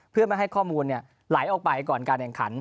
เพื่อไม่ให้ข้อมูลไหลออกไปก่อนการแข่งขัน